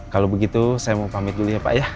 kalau begitu saya mau pamit dulu ya pak ya